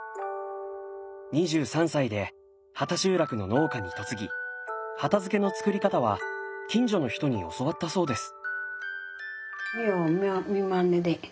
２３歳で畑集落の農家に嫁ぎ畑漬のつくり方は近所の人に教わったそうです。